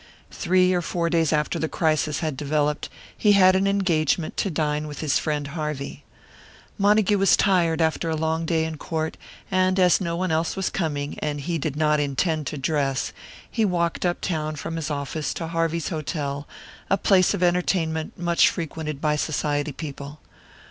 Three or four days after the crisis had developed, he had an engagement to dine with his friend Harvey. Montague was tired after a long day in court, and as no one else was coming, and he did not intend to dress, he walked up town from his office to Harvey's hotel, a place of entertainment much frequented by Society people.